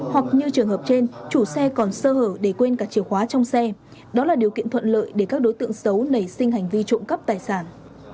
hoặc như trường hợp trên chủ xe còn sơ hở để quên cả chiều khóa trong xe đó là điều kiện thuận lợi để các đối tượng xấu nảy sinh hành vi trộm cắp tài sản